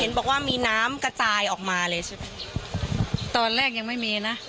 บอกว่ามีน้ำกระจายออกมาเลยใช่ไหมตอนแรกยังไม่มีนะ